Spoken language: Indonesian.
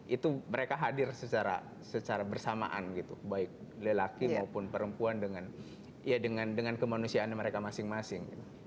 itu mereka hadir secara bersamaan gitu baik lelaki maupun perempuan dengan kemanusiaan mereka masing masing